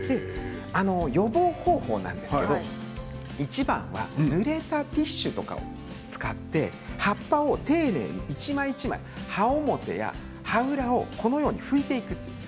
予防方法なんですけどいちばんはぬれたティッシュとかを使って葉っぱを丁寧に、一枚一枚葉表、葉裏を拭いていく。